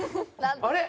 あれ？